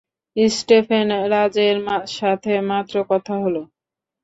Stephen রাজের সাথে মাত্র কথা হলো।